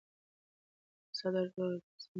هغه په ساده ډول زما څنګ ته ناسته ده.